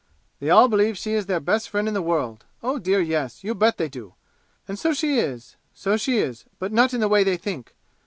They all believe she is their best friend in the world oh, dear Yes, you bet they do! And so she is so she is but not in the way they think!